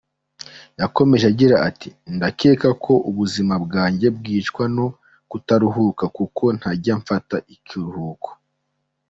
Yakomeje agira ati: “Ndakeka ko ubuzima bwanjye bwicwa no kutaruhuka, kuko ntajya mfata ikiruhuko.